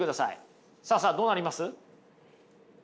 さあさあどうなります？